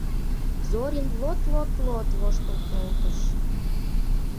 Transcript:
Зорин лот-лот-лот воштыл колтыш.